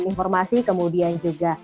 informasi kemudian juga